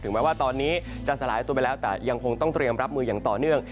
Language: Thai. แม้ว่าตอนนี้จะสลายตัวไปแล้วแต่ยังคงต้องเตรียมรับมืออย่างต่อเนื่อง